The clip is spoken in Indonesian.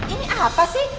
ini apa sih